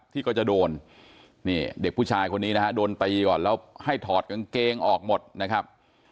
ที่ก็จะโดนนี่เด็กผู้ชายคนนี้นะฮะโดนตีก่อนแล้วให้ถอดกางเกงออกหมดนะครับ